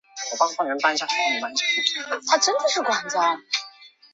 现代的流式细胞仪很多应用在荧光标记上。